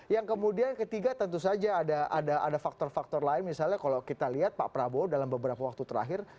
yang kemudian ketiga tentu saja ada faktor faktor lain misalnya kalau kita lihat pak prabowo dalam beberapa waktu terakhir